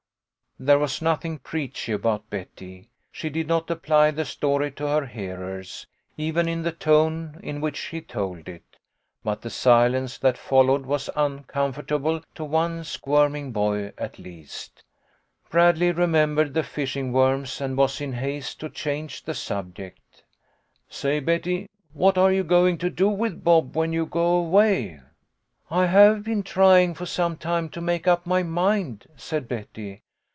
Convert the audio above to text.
There was nothing preachy about Betty. She did not apply the story to her hearers, even in the tone in which she told it ; but the silence that followed was uncomfortable to one squirming boy at least. Bradley remembered the fishing worms, and was in 124 THE LITTLE COLONEL'S HOLIDAYS. haste to change the subject. " Say, Betty, what are you going to do with Bob when you go away ?"" I have been trying for some time to make up my mind," said Betty.